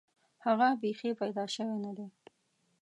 هغه بیخي پیدا شوی نه دی.